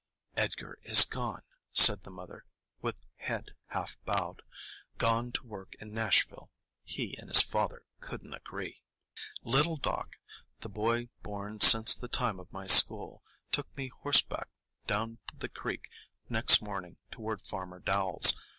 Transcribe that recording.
"Edgar is gone," said the mother, with head half bowed,—"gone to work in Nashville; he and his father couldn't agree." Little Doc, the boy born since the time of my school, took me horseback down the creek next morning toward Farmer Dowell's.